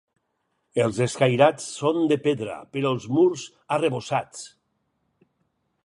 Els escairats són de pedra però els murs arrebossats.